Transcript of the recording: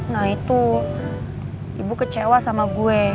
nah itu ibu kecewa sama gue